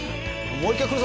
もう一回来るぞ。